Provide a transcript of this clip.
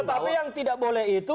tapi yang tidak boleh itu